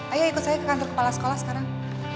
ayo ikut saya ke kantor kepala sekolah sekarang